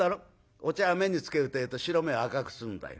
お茶目につけるってえと白目を赤くするんだよ。